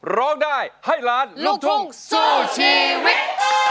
ร้องได้ให้ล้านลูกทุ่งสู้ชีวิต